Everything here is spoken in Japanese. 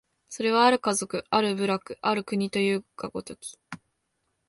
それは或る家族、或る部落、或る国というが如き、